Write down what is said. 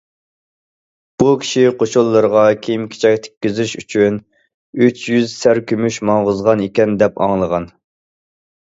بۇ كىشى قوشۇنلىرىغا كىيىم- كېچەك تىككۈزۈش ئۈچۈن ئۈچ يۈز سەر كۆمۈش ماڭغۇزغانىكەن، دەپ ئاڭلىغان.